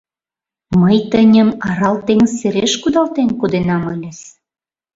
— Мый тыньым Арал теҥыз сереш кудалтен коденам ыльыс.